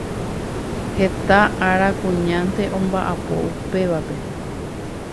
Heta ára kuñánte omba’apo upévape.